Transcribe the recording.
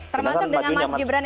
termasuk dengan mas gibran